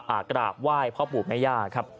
กราบไหว้พ่อปู่แม่ย่าครับ